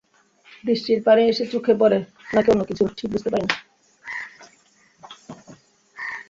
বৃষ্টির পানি এসে চোখে পড়ে, নাকি অন্য কিছু, ঠিক বুঝতে পারি না।